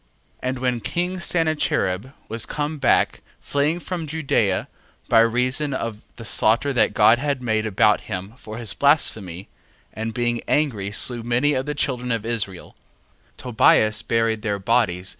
1:21. And when king Sennacherib was come back, fleeing from Judea by reason of the slaughter that God had made about him for his blasphemy, and being angry slew many of the children of Israel, Tobias buried their bodies.